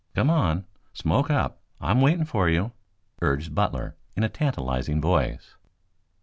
"Come on. Smoke up! I'm waiting for you!" urged Butler in a tantalizing voice.